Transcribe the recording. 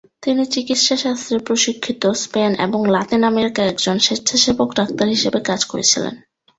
তিনি চিকিৎসাশাস্ত্রে প্রশিক্ষিত, স্পেন এবং লাতিন আমেরিকায় একজন স্বেচ্ছাসেবক ডাক্তার হিসাবে কাজ করেছিলেন।